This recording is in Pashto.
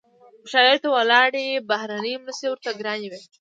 پر شرایطو ولاړې بهرنۍ مرستې ورته ګرانې وې.